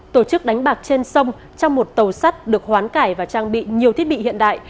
tổ chức đánh bạc trên sông cho một tàu sắt được hoán cải và trang bị nhiều thiết bị hiện đại